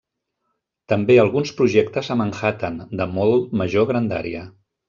També alguns projectes a Manhattan, de molt major grandària.